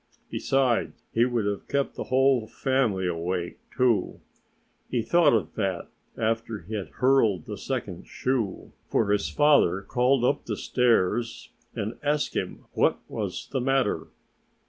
Besides, he would have kept the whole family awake, too. He thought of that after he had hurled the second shoe. For his father called up the stairs and asked him what was the matter.